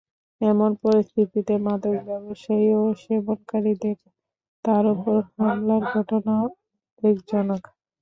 এমন পরিস্থিতিতে মাদক ব্যবসায়ী ও সেবনকারীদের তাঁর ওপর হামলার ঘটনা উদ্বেগজনক।